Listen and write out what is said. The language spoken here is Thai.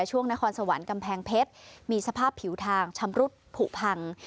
ช่วงนครสวรรค์กำแพงเพชรมีสภาพผิวทางชำรุดผูกพัง